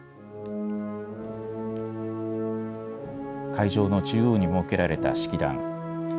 会場の中央に設けられた式壇。